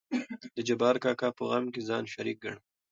د جبار کاکا په غم کې ځان شريک ګنم.